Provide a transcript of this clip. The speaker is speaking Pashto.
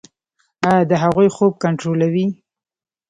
ایا د هغوی خوب کنټرولوئ؟